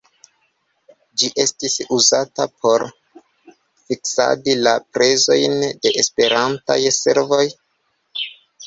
Ĝi estis uzata por fiksadi la prezojn de Esperantaj servoj.